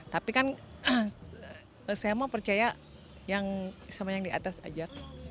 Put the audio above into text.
tapi kan saya mau percaya sama yang di atas aja